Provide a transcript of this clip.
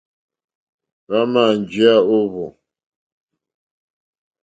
Hwámà njíyá ó hwò.